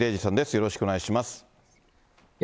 よろしくお願いします。